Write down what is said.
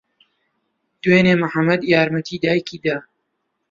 دوێنێ محەممەد یارمەتی دایکی دا؟